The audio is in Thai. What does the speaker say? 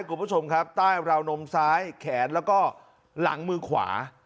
คุณผู้ชมครับใต้ราวนมซ้ายแขนแล้วก็หลังมือขวา